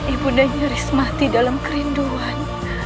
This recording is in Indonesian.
ibu dan nyaris mati dalam kerinduan